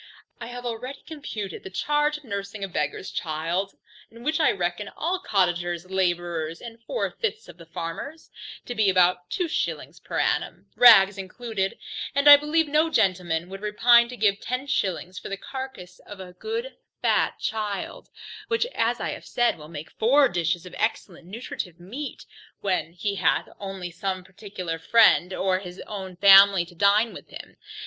I have already computed the charge of nursing a beggar's child (in which list I reckon all cottagers, labourers, and four fifths of the farmers) to be about two shillings per annum, rags included; and I believe no gentleman would repine to give ten shillings for the carcass of a good fat child, which, as I have said, will make four dishes of excellent nutritive meat, when he hath only some particular friend, or his own family to dine with him.